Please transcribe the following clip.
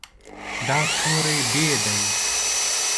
دا توری "ب" دی.